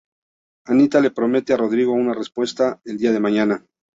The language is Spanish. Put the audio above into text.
Anita le promete a Rodrigo una respuesta el día de mañana.